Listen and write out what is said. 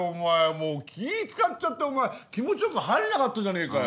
もう気ぃ使っちゃって気持ち良く入れなかったじゃねえかよ！